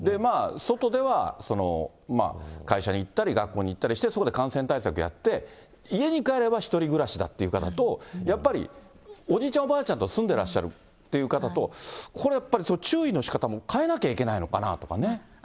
外では会社に行ったり、学校に行ったりして、そこで感染対策やって、家に帰れば１人暮らしだっていう方と、やっぱりおじいちゃん、おばあちゃんと住んでらっしゃるっていう方と、これやっぱり、注意のしかたも変えなきゃいけないのかなとかね。